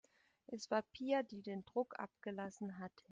Es war Pia, die den Druck abgelassen hatte.